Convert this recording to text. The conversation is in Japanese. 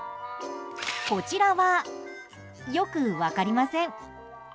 こちらはよく分かりません。